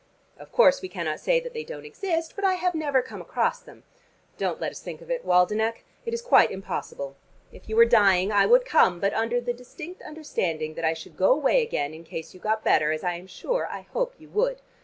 Of course we cannot say that they don't exist, but I have never come across them. Don't let us think of it, Waldenech: it is quite impossible. If you were dying, I would come, but under the distinct understanding that I should go away again, in case you got better, as I am sure I hope you would.